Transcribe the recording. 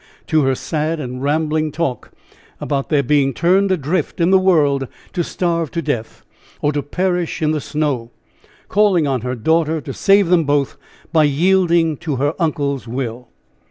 to her sad and rambling talk about their being turned adrift in the world to starve to death, or to perish in the snow calling on her daughter to save them both by yielding to her uncle's will!